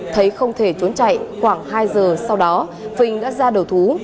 thấy không thể trốn chạy khoảng hai giờ sau đó phình đã ra đầu thú